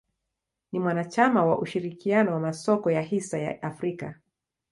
Ni mwanachama wa ushirikiano wa masoko ya hisa ya Afrika.